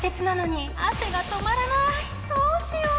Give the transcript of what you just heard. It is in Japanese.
どうしよう！